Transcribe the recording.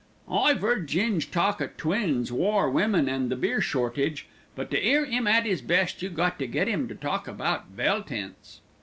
"I've 'eard Ging talk o' twins, war, women, an' the beer shortage; but to 'ear 'im at 'is best, you got to get 'im to talk about bell tents."